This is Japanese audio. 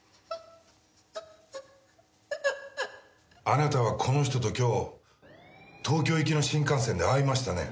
あなたはこの人と今日東京行きの新幹線で会いましたね？